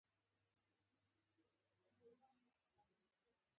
سیالي ټولنه د نژادي توپیرونو مقاومت وښود.